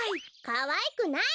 かわいくない！